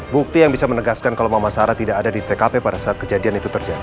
bukti yang bisa menegaskan kalau mama sarah tidak ada di tkp pada saat kejadian itu terjadi